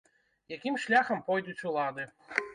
Якім шляхам пойдуць улады?